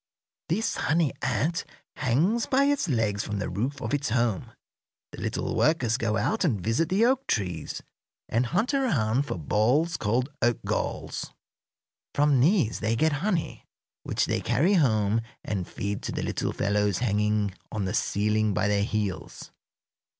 This honey ant hangs by its legs from the roof of its home. The little workers go out and visit the oak trees and hunt around for balls called oak galls. From these they get honey, which they carry home and feed to the little fellows hanging on the ceiling by their heels.